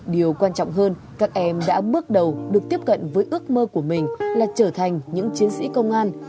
điều quan trọng hơn các em đã bước đầu được tiếp cận với ước mơ của mình là trở thành những chiến sĩ công an